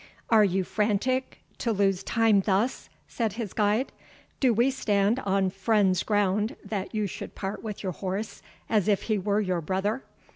"Are you frantic, to lose time thus!" said his guide; "do we stand on friends' ground, that you should part with your horse as if he were your brother?